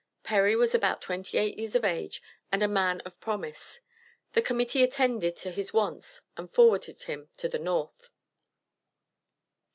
Perry was about twenty eight years of age and a man of promise. The Committee attended to his wants and forwarded him on North.